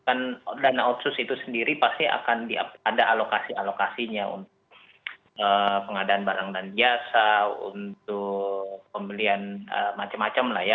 dan dana otsus itu sendiri pasti akan ada alokasi alokasinya untuk pengadaan barang dan biasa untuk pembelian macam macam lah ya